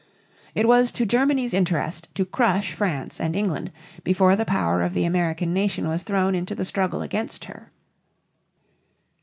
It was to Germany's interest to crush France and England before the power of the American nation was thrown into the struggle against her.